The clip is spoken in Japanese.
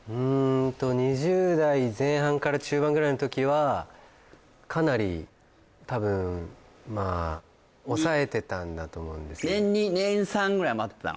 ２０代前半から中盤ぐらいの時はかなり多分まあ抑えてたんだと思うんです年２年３ぐらいは待ってたの？